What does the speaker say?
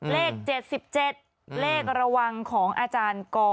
เลข๗๗เลขระวังของอาจารย์ก